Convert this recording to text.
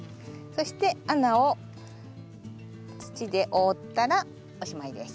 そして穴を土で覆ったらおしまいです。